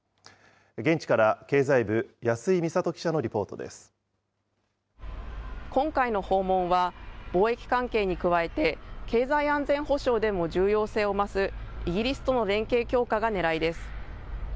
現地から経済部、今回の訪問は、貿易関係に加えて経済安全保障でも重要性を増すイギリスとの連携強化がねらいです。